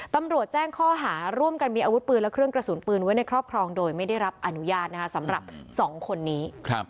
ตำรวจแจ้งข้อหาร่วมกันมีอาวุธปืนและเครื่องกระสุนปืนไว้ในครอบครองโดยไม่ได้รับอนุญาตนะคะสำหรับ๒คนนี้